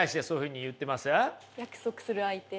約束する相手。